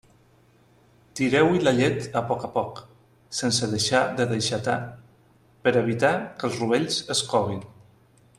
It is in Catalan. Tireu-hi la llet a poc a poc, sense deixar de deixatar, per a evitar que els rovells es coguin.